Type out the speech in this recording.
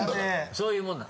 そういうもんなの？